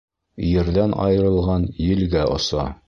Ерҙән айырылған елгә оса.